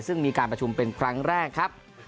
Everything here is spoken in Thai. ซึ่งมีการประชุมเป็นครั้งแรกครับ